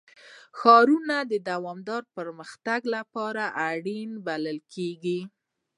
ښارونه د دوامداره پرمختګ لپاره اړین بلل کېږي.